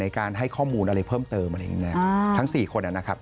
การให้ข้อมูลอะไรเพิ่มเติมอะไรอย่างนี้นะทั้ง๔คนนะครับ